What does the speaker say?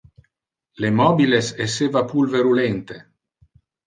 Le mobiles esseva pulverulente.